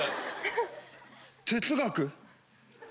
哲学？